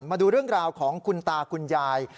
มาดูเรื่องราวของคุณตาคุณยาย